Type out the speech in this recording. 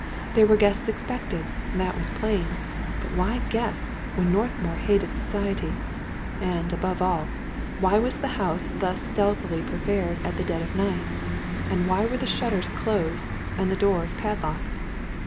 There were guests expected, that was plain ; but why g^ests^ when Northmour hated society? And, above all, why was the house thus stealthily prepared at dead of night? and why were the shutters closed and the doors padlocked